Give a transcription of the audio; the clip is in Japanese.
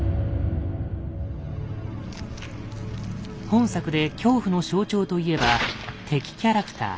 本作で恐怖の象徴といえば「敵キャラクター」。